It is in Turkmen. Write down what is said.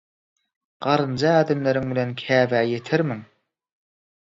«Garynja ädimleriň bilen Käbä ýetermiň?